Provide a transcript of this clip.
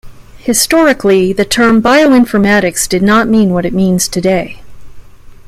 Historically, the term "bioinformatics" did not mean what it means today.